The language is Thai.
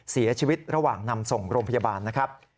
เสียชีวิตระหว่างนำส่งโรงพยาบาลนะครับ